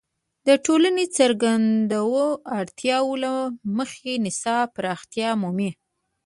د ټولنې د څرګندو اړتیاوو له مخې نصاب پراختیا مومي.